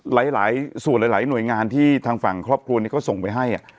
หลายส่วนหลายหน่วยงานที่ทางฝั่งครอบครัวนี้เขาส่งไปให้